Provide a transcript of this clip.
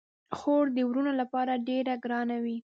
خور د وروڼو لپاره ډیره ګرانه وي.